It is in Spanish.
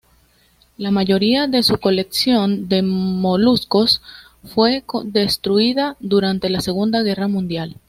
La mayoría de su colección de moluscos fue destruida durante la Segunda Guerra mundial.